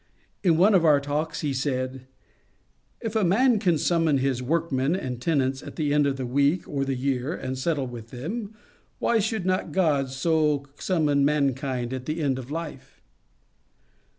In one of our talks he said, ^^ If a man can summon his workmen and tenants at the end of the week or the year, and settle with them, why should not God so sum mon mankind at the end of life